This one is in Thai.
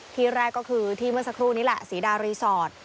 ที่แรกก็คือที่เมื่อสักครู่นี้แหละศรีดารีสอร์ท